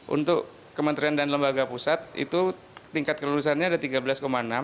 untuk kementerian dan lembaga pusat itu tingkat kelulusannya ada tiga belas enam